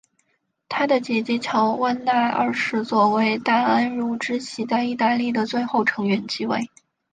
他的姐姐乔万娜二世作为大安茹支系在意大利的最后成员继位。